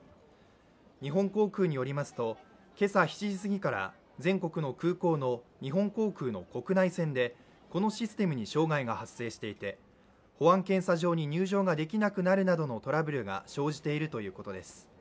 日本航空によりますと今朝７時過ぎから全国の空港の日本航空の国内線でこのシステムに障害が発生していて、保安検査場に入場ができなくなるなどのトラブルが生じているということです。